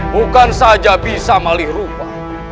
bukan saja bisa melih rupa